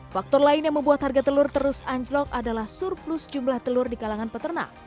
faktor lain yang membuat harga telur terus anjlok adalah surplus jumlah telur di kalangan peternak